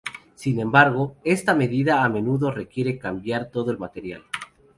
Sin embargo, esta medida a menudo requiere cambiar todo el material.